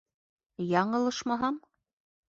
Яңылышмаһам,...